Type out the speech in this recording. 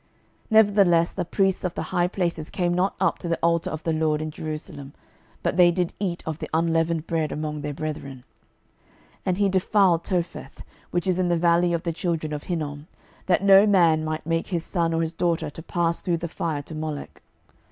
12:023:009 Nevertheless the priests of the high places came not up to the altar of the LORD in Jerusalem, but they did eat of the unleavened bread among their brethren. 12:023:010 And he defiled Topheth, which is in the valley of the children of Hinnom, that no man might make his son or his daughter to pass through the fire to Molech.